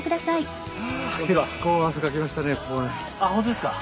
あっ本当ですか？